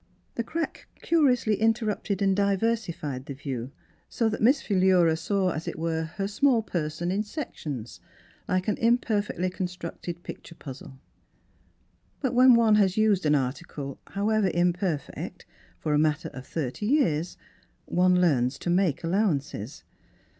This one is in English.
The crack curiously interrupted and diversified the view, so that Miss Philura [ 3 ] Miss Philura's Wedding Gown saw, as it were, her small person in sec tions, like an imperfectly constructed pic ture puzzle. But when one has used an article, however imperfect, for a matter of thirty years, one learns to make allow ances.